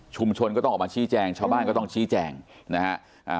ก็ต้องออกมาชี้แจงชาวบ้านก็ต้องชี้แจงนะฮะอ่า